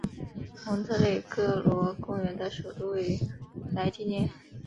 蒙特内哥罗公国的首都位于采蒂涅。